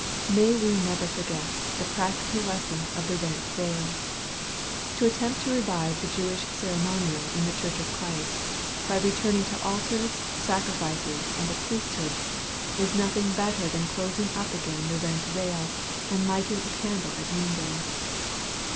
May we never forget the practical lesson of the rent veil ! To attempt to revive the Jewish ceremonial in the Church of Christ, by returning to altars, sacrifices, and a priesthood, is nothing better than closing up again the rent veil, and lighting a candle at noon day.